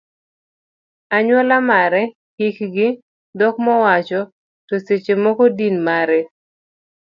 anyuola mare, hikgi, dhok mowacho, to seche moko din mare.